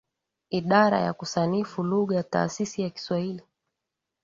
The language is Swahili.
Idara ya kusanifu lugha Taasisi ya Kiswahili